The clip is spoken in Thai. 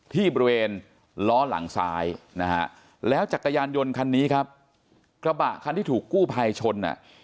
ที่บริเวณล้อหลังซ้ายนะฮะแล้วจักรยานยนต์คันนี้ครับกระบะคันที่ถูกกู้ภัยชนอ่ะ